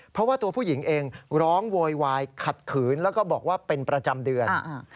เพราะว่าตัวผู้หญิงเองร้องโวยวายขัดขืนแล้วก็บอกว่าเป็นประจำเดือน